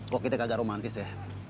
kok kita kagak romantis ya